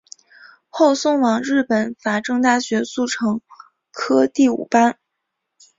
后送往日本法政大学速成科第五班。